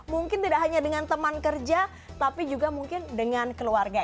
mungkin tidak hanya dengan teman kerja tapi juga mungkin dengan keluarga